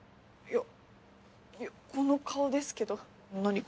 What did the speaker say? いやこの顔ですけど何か？